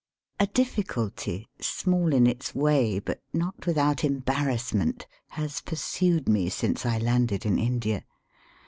A DIFFICULTY, Small in its way, but not without embarrassment, has pursued me since I landed in India.